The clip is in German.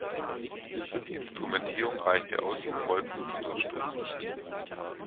Die Instrumentierung reichte aus, um Wolken zu durchstoßen.